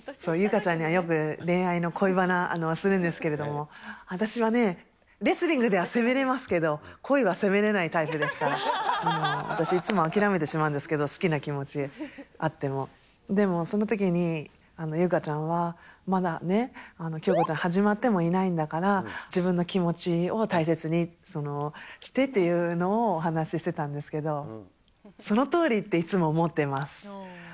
優香ちゃんにはよく、連絡の恋バナするんですけれども、私はね、レスリングでは攻めれますけど、恋は攻めれないタイプですから、私、いつも諦めてしまうんですけど、好きな気持ちあっても、でも、そのときに、優香ちゃんはまだね、京子ちゃん、始まってもいないんだから、自分の気持ちを大切にしてっていうのをお話ししてたんですけど、そのとおりっていつも思ってます。